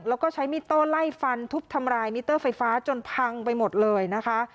แล้วก็ใช้มิเตอร์ไล่ฟันทุบทำลายมิเตอร์ไฟฟ้าจนพังไปหมดเลยนะคะ